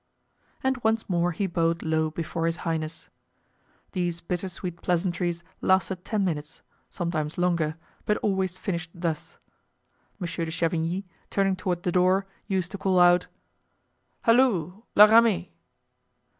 And once more he bowed low before his highness. These bitter sweet pleasantries lasted ten minutes, sometimes longer, but always finished thus: Monsieur de Chavigny, turning toward the door, used to call out: "Halloo! La Ramee!"